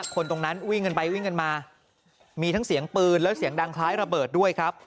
คนตรงนั้นวิ่งกันไปวิ่งกันมามีทั้งเสียงปืนและเสียงดังคล้ายระเบิดด้วยครับ